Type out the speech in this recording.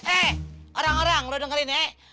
eh orang orang lu dengerin eh